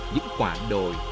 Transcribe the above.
những quả đồi